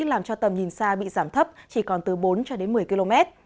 làm cho tầm nhìn xa bị giảm thấp chỉ còn từ bốn một mươi km